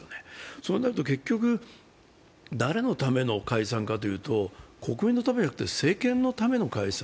そうなると、結局誰のための解散かというと国民のためではなくて政権のための解散。